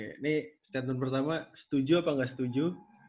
ini statement pertama setuju apa nggak setuju